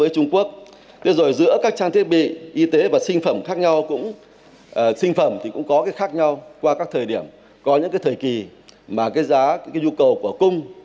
có cái khác nhau qua các thời điểm có những cái thời kỳ mà cái giá cái nhu cầu của cung